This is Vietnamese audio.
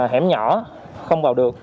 hẻm nhỏ không vào được